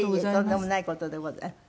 とんでもない事でございます。